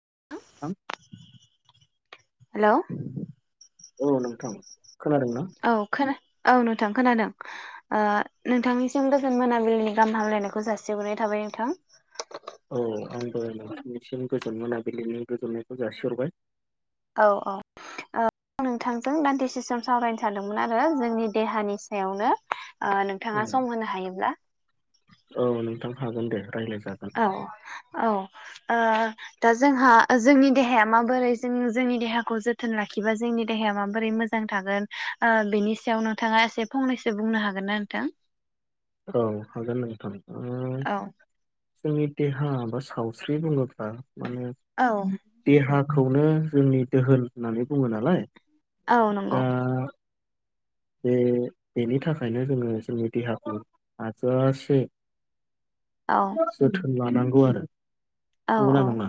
[unintelligible] हेल'। औ नोंथां। खोनादोंना औ खोना औ नोंथां खोनादों नोंथांनिसिम गोजोन मोनाबिलिनि गाहाम हामलायनायखौ जासिहरनाय थाबाय। नोंथां। औ आंबो नोंथांनिसिम गोजोन मोनाबिलिनि गोजोननायखौ जासिरबाय। औ -औ ओ आं नोंथांजों दान्दिसे समोम सावरायनो सानदोंमोन आरो जोंनि देहानि सायावनो नोंथाङा ओं सम होनो हायोब्ला। औ नोंथां हागोन दे। रायज्लायजागोन औ - औ ओ दा जोंहा जोंनि देहाया माबोरै जों जोंनि देहाखौ जोथोन लाखिबा जोंनि देहाया माबोरै मोजां थागोन बेनि सायाव नोंथाङा एसे फंनैसो बुंनो हागोन ना नोंथां? [inaudible] औ हागोन नों थां। औ जोंनि देहा बा सावस्रि बुङोब्ला माने औ देहा खौनो जोंनि दोहोन होननानै बुङो नालाय औ नंगौ। दा बे बेनि थाखायनो जोङो जोंनि देहाखौ हाजोआास औ जोथोन लानांगौ आरो। औ नंगौना औ नङा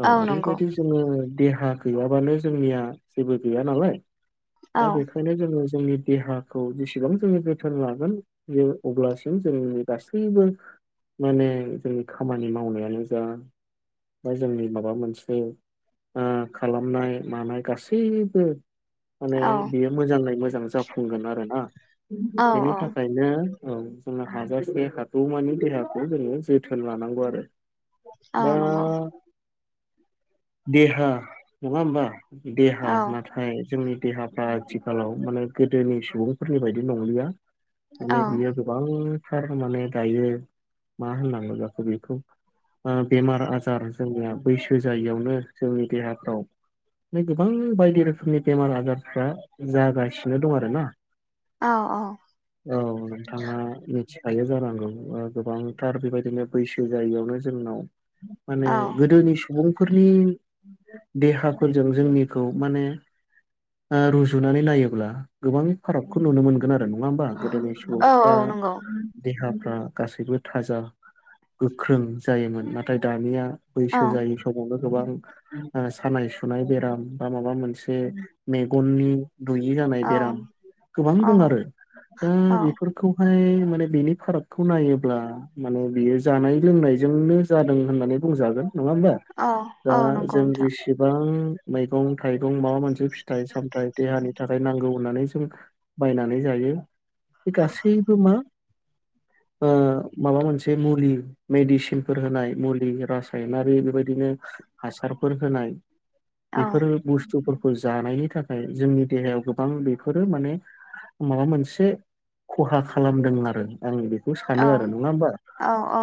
औ ओरैबायदि जोङो देहा गैयाबानो जोंनिया जेबो गैया नालाय औ दा बेखायनो जोङो जोंनि देहाखौ जेसेबां जोङो जोथोन लागोन जों अब्लासिम जोंनि गासैबो माने जोंनि खामानि मावनायानो जा ओमफ्राय जोंनि माबा मोनसे खालामनाय मानाय गासैबो माने औ बियो मोजाङै मोजां जाफुंगोन आरोना औ बेनि औ थाखाय औ जों हाजासे हागौमानि देहाखौ जोङो जोथोन लानांगौ आरो। औ दा नंगौ देहा नङा होमबा? औ देहा नाथाय जोंनि देहाफ्रा आथिखालाव माने गोदोनि सुबुंफोरनि बायदि नंलिया औ माने बियो गोबांथार माने दायो मा होननांगौ जाखो बेखौ बेमार - आजार जोंनिया बैसो जायियावनो जोंनि देहाफ्राव [unintelligible] गोबां बायदि रोखोमनि बेमार आजारफ्रा जागासिनो दं आरो ना औ औ औ नोंथाङा मिथि खायो जानांगौ ओ गोबांथार बेबायदिनो बैसो जायियावनो जोंनाव माने औ गोदोनि स बुंफोरनि देहाफोरजों जोंनिखौ माने ओ रुजुनानै नायोब्ला गोबां फारागखौ नुनो मोनगोन आरो नङा होमबा गोदोनि औ औ सुबुंफ्रा नंगौ देहा आ गासैबो थाजाब गोख्रों जायोमोन नाथाय दानिया औ बैसो जायि समावनो गोबां ओ सानाय सुनाय बेराम बा माबा मोनसे मेगननि दुयि जानाय औ बेराम गोबां औ दं आरो दा औ बेफोरखौहा हाय माने बिनि फारागखौ नायोब्ला माने बियो जानाय लोंनायजोंनो जादों होननानै बुंजागोन नङा होमबा औ दा औ नंगौ जों नोंथां जेसेबां मैगं-थाइगं माबा मोनसे फिथाइ-सामथाइ देहानि थाखाय नांगौ होननानै जों बायनानै जायो। बे गासैबो मा ओ माबा मोनसे मुलि मेडिसिनफोर होनाय मुलि रासायनारि बेबायदिनो हासारफोर होनाय औ बिफोरो बुस्थुफोर खौ जानायनि थाखाय जोंनि देहायाव गोबां बेफोरो माने माबा मोनसे खहा खालामदों आरो आं बे बेखौ औ सानो आरो नङा होमबा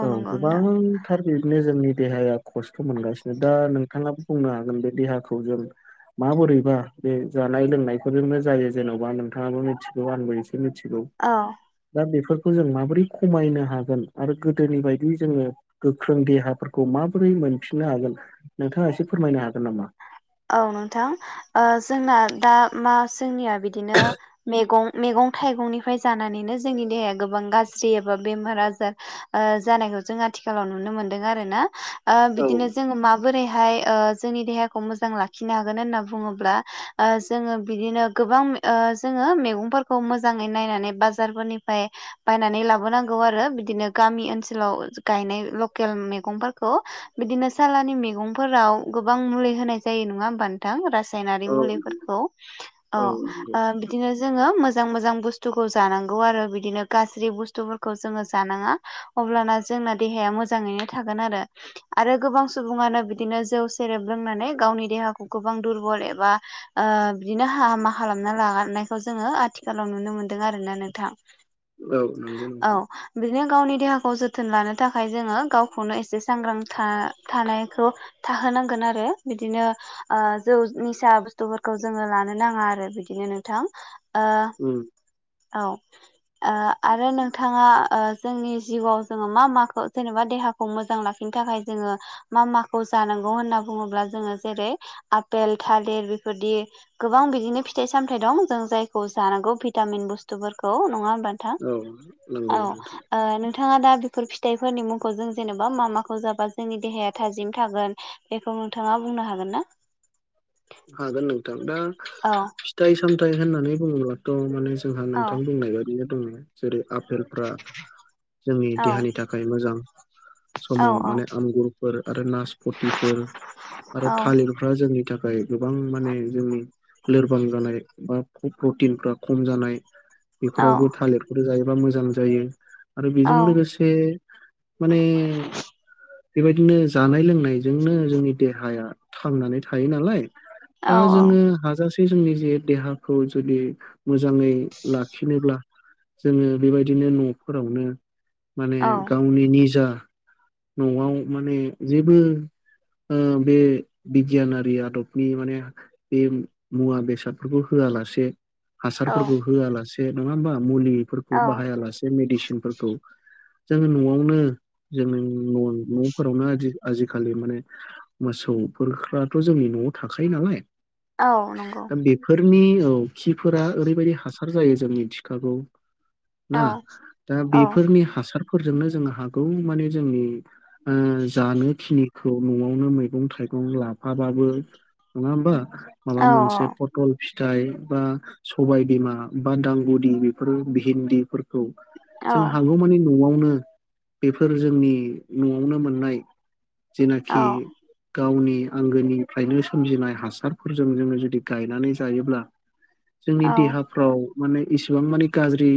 औ गोबांथार इदनो जोंनि देहाया खस्थ' मोनगासिनो दं नोंथाङाबो बुंनो हागोन बे देहाखौ जों माबोरैबा बे जानाय लोंनायफोरजोंनो जायो जेन'बा नोंथाङाबो मिथिगौ आंबो एसे मि थिगौ औ दा बेफोर खौ जों माबोरै खमायनो हागोन आरो गोदोनि बायदि जोङो गोख्रों देहाफोरखौ माबोरै मोनफिननो हागोन नोंथाङा एसे फोरमायनो हागोन नामा? औ नोंथां ओ जोंना दा मा जोंनिया बिदिनो मेगं मेगं थाइगंनिफ्राय जानानैनो जोंनि देहाया गोबां गाज्रि एबा बेमार आजार ओ जानाय जों आथिखालाव नुनो मोनदों आरोना ओ औ बिदिनो जोङो माबोरैहाय ओ जोंनि देहाखौ मोज मोजां लाखिनो हागोन होनना बुङोब्ला ओ जोङो बिदिनो गोबां ओ जोङो मेगंफोरखौ मोजाङै नायनानै बाजारफोरनिफाय बायनानै लाबोनांगौ आरो बिदिनो गामि ओनसोलाव गायनाय लकेल मेगंफोरखौ बिदिनो सालानि मेगंफोराव गोबां मुलि होनाय जायो नङा होमबा नोंथां रासायनारि औ मुलिफोरखौ अ औ नंगौ ओ बिदिनो जोङो मोजां मोजां बुथ्सुखौ जानांगौ आरो बिदिनो गाज्रि बुस्थुफोरखौ जोङो जानाङा अ अब्लाना जोंना देहाया मोजाङैनो थागोन आरो आरो गोबां सुबुङानो बिदिनो जौ सेरेब लोंनानै गावनि देहाखौ गोबां दुरबल एबा ओ बिदिनो हामा खालामना लागारनायखौ जोङो आथिखालाव नुनो मोनदों आरो ना नोंथां औ नंगौ औ नोंथां बिदिनो गावनि देहाखौ जोथोन लानो था खाय जोङो गावखौनो एसे सांग्रां था थानायखौ थाहोनांगोन आरो बिदिनो ओ जौ निसा बुस्थुफोरखौ जोङो लानो नाङा आरो बिदिनो नोंथां ओ उम औ ओ आरो नोंथाङा ओ जोंनि जिउआव जोङो मा माखौ जेनेबा देहाखौ मोजां लाखिनो थाखाय जोङो मा माखौ जानांगौ होनना बुङोब्ला जोङो जेरै आफेल थालिर बेफोरदि गोबां बिदिनो फिथाइ सामथाइ दं जों जायखौ जानांगौ भिटामिन बुस्थुफोरखौ नङा होमबा नोंथां औ औ नंगौ नोंथां ओ नो नोंथाङा दा बेफोर फिथाइफोरनि मुंखौ जों जेनेबा मा माखौ जाबा जोंनि देहाया थाजिम थागोन बेखौ थाङा बुंनो हागोन ना? हागोन नोंथां दा औ फिथाइ -सामथायाइ होननानै बुङोब्लाथ' माने जो जोंहा औ नोंथां बुंनाय बायदिनो दङ जेरै आफेलफ्रा जोंनि औ देहानि थाखाय मोजां औ समाव माने आंगुरफोर आरो नासपतफोर आरो औ थालिरफ्रा जोंनि थाखाय गोबां माने जोंनि लोरबां जानाय बा प्रटिनफ्रा खम जानाय औ बेफोरावबो थालिरफोर जायोबा मोजां जायो। आरो बेजों औ लोगोसे माने बेबायदिनो जानाय लोंनायजोंनो जोंनि देहाया थांनानै थायो नालाय दा जोङो हाजासे जोंनि जे देहाखौ जुदि मोजाङै लाखिनोब्ला जोङो बेबायदिनो न'फोरावनो माने औ गावनि निजा न'आव माने जेबो ओ बे बिगियानारि आदबनि माने बे मुवा बेसादफोरखौ होआ होआ लासे औ हासारफोरखौ होआलासे नङा होमबा मुलिफोरखौ औ बाहायालासे मेदिसिनफोरखौ जों नआवनो जों न'फोरावनो आजिखालि माने मोसौफ्राथ' जोंनि न'आव थाखायो नालाय औ नंगौ नि औ खिफोरा ओरैबायदि हासार जायो जोंनि थिखाखौ औ ना दा औ बेफोरनि हासारफोरजोंनो जों हागौ माने जोंनि ओ जानो खिनिखौ न'आवनो मैगं -थाइगं लाफाबाबो नङा होमबा माबा औ मोनसे फटल फिथाइ बा सबाय बिमा बा दांगुदि बेफोर भगहिन्दिफोरखौ जों हागौमानि न'आवनो बेफोर जोंनि न'आवनो मोननाय औ जेनाखि गावनि आंगोनिफ्रायनो सोमजिनाय हासारफोरजों जोङो जुदि गायनानै जायोब्ला जोंनि औ देहाफ्राव माने इसिबां माने गाज्रि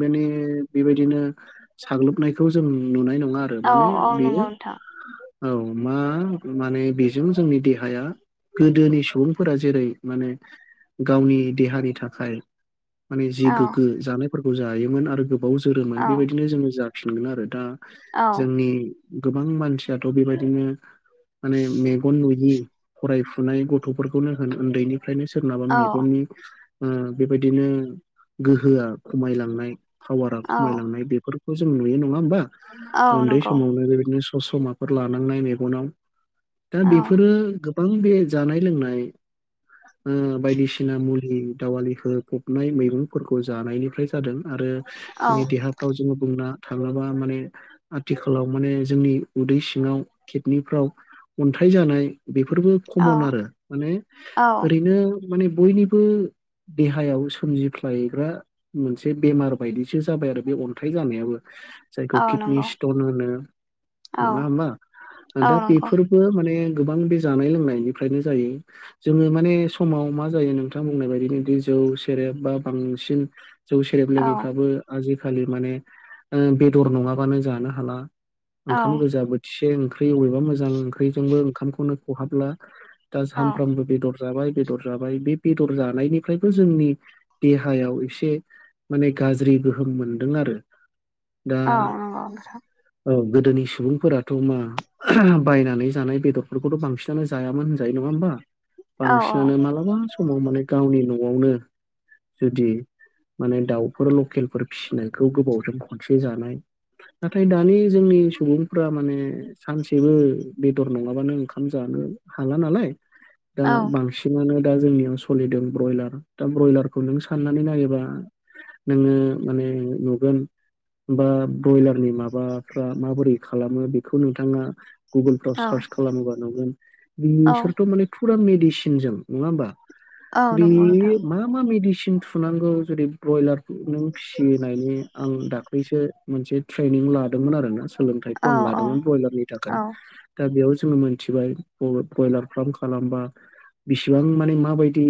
माने बेबायदिनो साग्लोबनायखौ जों नुनाय नङा आरो औ माने - औ बेयो नंगौ नोंथां औ मा माने बेजों जोंनि देहाया गोदोनि सुबुंफोरा जेरै माने गावनि देहानि थाखाय माने जि औ गोग्गो जानायफोरखौ जायोमोन आरो गोबाव जोरोमोन औ बेबायदिनो जोङो जा फिनगोन आरो दा औ जोंनि गोबां मानसियाथ' बेबायदिनो माने मेगन नुयि फरायफुनाय गथ'फोरखौनो होन उन्दैनि ओंखायनो सोरनाबा औ मेगननि ओ बेबायदिनो गोहोआ खमायलांनाय पावारा औ खमायलांनाय बेफोरखौ जों नुयो नङा होमबा औ उन्दै नंगौ समावनो बेबायदिनो सस'माफोर लानांनाय मेगनाव दा औ बेफोरो गोबां बे जानाय लोंनाय ओ बायदिसिना मुलि दावालि हो फबनाय मैरंफोरखौ जानायनिफ्राय जादों आरो औ जोंनि देहाफ्राव जोङो बुंना थाब्लाबा माने आथिखालाव माने जोंनि उदै सिङाव खेबनिफ्राव अन्थाइ जानाय बेफोरबो कमन आरो माने औ ओरैनो माने बयनिबो देहायाव सोमजिफ्लायग्रा मोनसे बेमार बायदिसो जाबाय आरो बे अन्थाइ जानायाबो जायखौ औ किडनि नंगौ स्टन औ होनो नङा होमबा औ दा नंगौ बेफोरबो माने गोबां बे जानाय लोंनायनिफ्रायनो जायो जोङो माने समाव मा जायो नोंथां बुंनाय बायदिनो जौ सेरेब बा बांसिन जौ सेरेब औ लोगोङैफ्राबो आजिखालि माने ओ बेदर नङाबानो जानो हाला ओंखाम औ गोजा बोथिसे ओंख्रि अबेबा मोजां ओंख्रिजोंबो ओंखामखौनो खहाब्ला दा औ सानफ्रामबो बेदर बेर जाबाय बेदर जाबाय बे बेदर जानायनिफ्रायबो जोंनि देहायाव एसे माने गाज्रि गोहोम मोनदों आरो। औ दा औ। औ गोदोनि सुबुंफोराथ' मा बायनानै जानाय बेदरफोरखौथ' बांसिनानो जायामोन होनजायो नङा होमबा औ बांसिनानो मालाबा समाव माने गावनि न'आवनो जुदि माने दाउफोर लकेलफोर फिसिनायखौ गोबावजों खनसे जानाय नाथाय दानि जोंनि सुबुंफा माने सानसेबो बेदर नङाबानो ओंखाम जानो हाला नालाय दा औ बांसिनानो दा जोंनियाव सोलिदों ब्रयलार दा ब्रयलारखौ नों साननानै नायोबा नोङो माने नुगोन बा बयलार माबाफ्रा माबोरै खालामो बेखौ नोंथाङा गुगोलफ्राव औ सार्च खालामोबा नुगोन औ बिसोरथ' माने फुरा मेडिसिनजों नङा होमबा? औ बे नंगौ नोंथां मा मा मेडिसिन थुनांगौ जुदि ब्रयलार नों फिसियो नायनि आं दाखोलैसो मोनसे ट्रेनिं लादोंमोन आरोना सोलोंथाइ औ फन लादोंमोन ब्रयलारनि थाखाय औ दा बेयाव जोंङो मोनथिबाय बयलार फार्म खालामबा बिसिबां माने माबायदि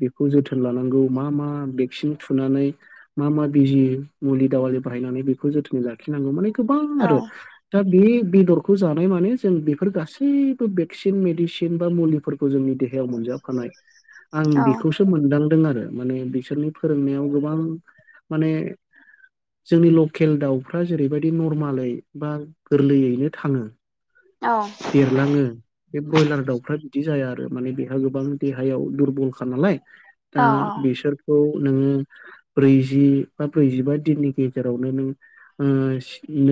बेखौ जोथोन लानांगौ मा मा भेक्सिन थुनानै मा मा बिजि मुलि दावालि बाहायनानै बेखौ जोथोनै लाखिनांगौ माने गोबां औ आरो दा बे बेदरखौ जानाय माने जों बेफोर गासैबो भेक्सिन मेडिसिन बा मुलिफोरखौ जोंनि देहायाव मोनो मोनजाखानाय आं बेखौसो मोनदां फोर आरो माने बिसोरनि फोरोंनायाव गोबां माने जोंनि लकेल लकेल दाउफ्रा जेरैबायदि नरमालै बा गोरलैयैनो थाङो औ देरलाङो बे ब्रयलार दाउफ्रा बिदि जाया आरो माने बेहा गोबां देहायाव दुरबलखा नालाय दा बिसोरखौ नोङो ब्रैजि बा ब्रैजिबा दिननि गेजेरावनो नों सि न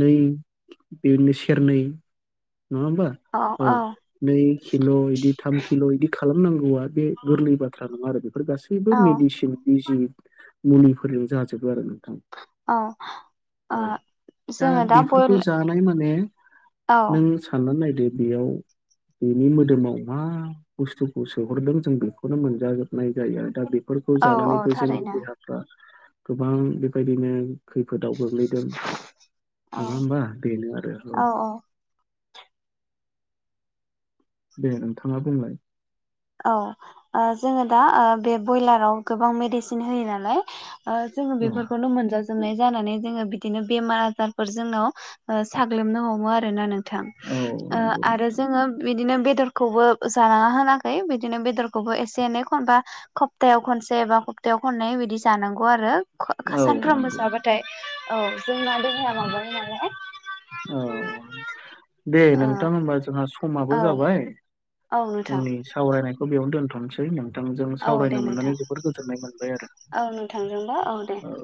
नै बेनो सेरनै नङा होमबा औ नै किल' बिदि थाम किल' बिदि खालामनांगौआ बे गोरलै बाथ्रा नङा आरो बेफोर गासैबो मेडिसिन बिजि मुलिफोरजों जाजोबो आरो नों थां औ औ दा जोङो बेफोरखौ बयल जानाय माने औ नों साननानै नायदो बेयाव बेनि मोदोमाव मा बुस्थुखौ सोहरदों जों बेखौनो मोनजाजोबनाय जायो दा बे फोरखौ औ औ जानानैबो जोंनि थारैनो देहाफ्रा गोबां बेबायदिनो खैफोदाव गोग्लैदों औ नङा होमबा बेनो आरो औ। दे नोंथाङा बुंलाय? औ ओ जोङो दा बे बयलाराव गोबां मेडिसिन होयो नालाय ओ जोङो औ बेफोरखौनो मोनजा जोबनाय जानानै जोङो बिदिनो बेमार आजारफोर जोंनाव ओ साग्लोबनो हमो आरोना नों थां। औ ओ नंगौ आरो नोंथां जोङो बिदिनो बेदरखौबो जानाङा होनाखै बिदिनो बेदरखौबो एसे एनै खनथा खबथा सप्तायाव खनसे एबा सप्तायाव खननै बिदि जानांगौ आरो औ सानफ्रोमबो नंगौ जाबाथाय औ जोंना देहाया माबायो नालहाय औ दे ओ नोंथां होनबा जोंहा औ समाबो जाबाय। औ नोंथां जोंनि सावरायनायखौ बेयाव दोनथ'नोसै नों नोंथांजों औ दे सावरायनो नोंथां मोननानै जोबद गोजोननाय मोनबाय आरो औ नोंथांजोंबो दे औ